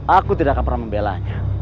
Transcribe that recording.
aku tidak akan pernah membelanya